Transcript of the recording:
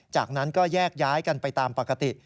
จากนั้นก็แยกย้ายกันไปตามปกติ